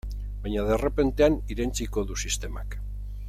Baina derrepentean irentsiko du sistemak.